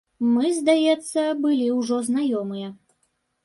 Мы, здаецца, былі ўжо знаёмыя.